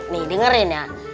nih dengerin ya